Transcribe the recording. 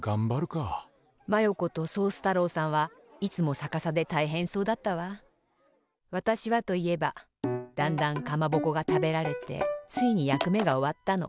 マヨ子とソース太郎さんはいつもさかさでたいへんそうだったわ。わたしはといえばだんだんかまぼこがたべられてついにやくめがおわったの。